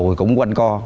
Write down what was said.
lúc đầu thì cũng quanh co